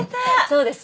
そうです。